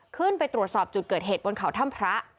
ขึ้นไปตรวจสอบจุดเกิดเหตุบนเขาถ้ำพระ